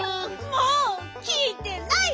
もうきいてない！